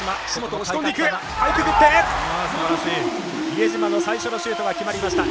比江島の最初のシュートが決まりました。